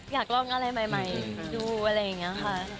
อยากลองอะไรใหม่ด้วยอะไรงี้ค่ะ